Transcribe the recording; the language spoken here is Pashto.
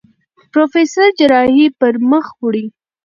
پروفېسر جراحي پر مخ وړي.